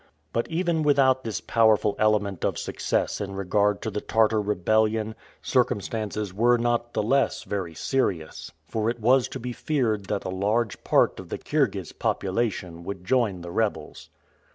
But even without this powerful element of success in regard to the Tartar rebellion, circumstances were not the less very serious; for it was to be feared that a large part of the Kirghiz population would join the rebels.